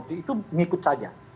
itu mengikut saja